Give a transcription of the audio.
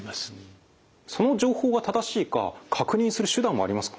その情報が正しいか確認する手段はありますか？